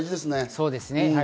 そうですね。